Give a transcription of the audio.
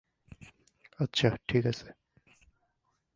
আচ্ছা ঠিক আছে।